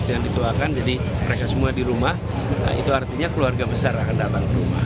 dengan ditoakan jadi mereka semua di rumah itu artinya keluarga besar akan datang ke rumah